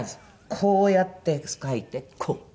こうやってかいてこう。